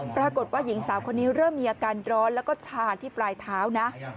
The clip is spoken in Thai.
ปรากฏว่าหญิงสาวคนนี้เริ่มมีอาการร้อนแล้วก็ชาญที่ปลายเท้านะ